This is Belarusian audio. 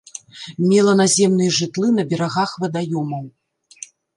Мела наземныя жытлы на берагах вадаёмаў.